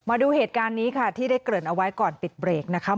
มาดูเหตุการณ์นี้ค่ะที่ได้เกริ่นเอาไว้ก่อนปิดเบรกนะคะ